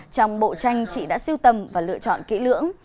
trong bộ tranh chị đã siêu tầm và lựa chọn kỹ lưỡng